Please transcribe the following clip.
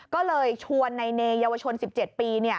ก็เลยชวนในเนยเยาวชน๑๗ปี